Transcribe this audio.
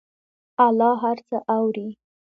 الله هر څه اوري.